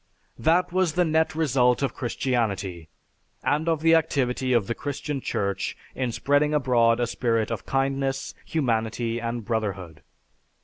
"That was the net result of Christianity, and of the activity of the Christian Church in spreading abroad a spirit of kindliness, humanity and brotherhood!